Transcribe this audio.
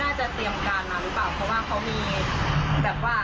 เขาน่าจะเตรียมการมาหรือเปล่าเพราะว่าเขามีแบบว่านั่งร้านนะคะ